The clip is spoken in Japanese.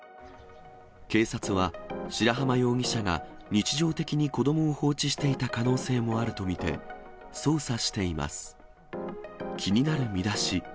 警察は、白濱容疑者が日常的に子どもを放置していた可能性もあると見て、捜査しています。